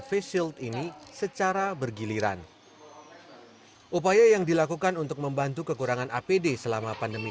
face shield ini secara bergiliran upaya yang dilakukan untuk membantu kekurangan apd selama pandemi